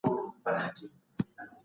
زمانه تل بدلیږي.